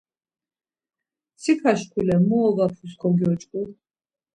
Mtsika şkule mu ovapus kogyoç̌ǩu?